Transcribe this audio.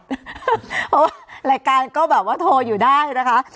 เพราะว่ารายการก็แบบว่าโทรอยู่ได้นะคะ